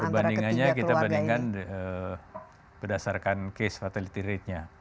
perbandingannya kita bandingkan berdasarkan case fatality ratenya